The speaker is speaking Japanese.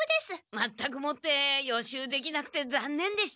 全くもって予習できなくてざんねんでした。